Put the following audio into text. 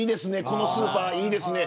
このスーパーいいですね